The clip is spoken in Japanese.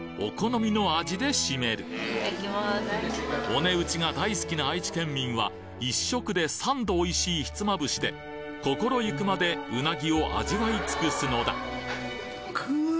お値打ちが大好きな愛知県民は、１食で３度おいしいひつまぶしで、心ゆくまでうなぎを味わい尽くすくぅー！